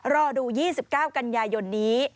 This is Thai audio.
รอดู๒๙กันยายนนี้